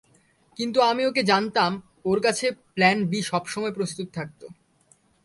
কিন্তু আমি ওকে জানতাম, ওর কাছে প্ল্যান বি সবসময় প্রস্তুত থাকত।